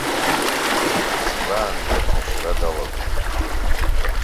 Дизгәааны аӷьра далагон.